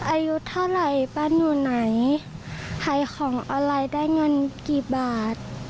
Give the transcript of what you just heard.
อายุเท่าไรบ้านอยู่ไหนหายของอะไรได้เงินกี่บาท